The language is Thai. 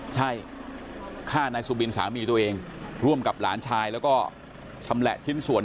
ใช่ฆ่านายสุบินสามีตัวเองร่วมกับหลานชายแล้วก็ชำแหละชิ้นส่วน